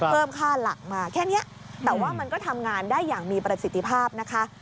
เพิ่มค่าหลักมาแค่นี้แต่ว่ามันก็ทำงานได้อย่างมีประสิทธิภาพนะคะ